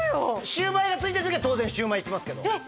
シュウマイがついてる時は当然シュウマイいきますけどえっ